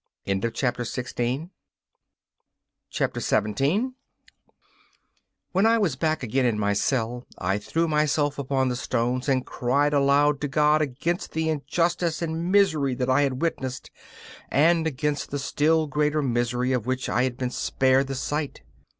17 When I was back again in my cell I threw myself upon the stones and cried aloud to God against the injustice and misery that I had witnessed, and against the still greater misery of which I had been spared the sight.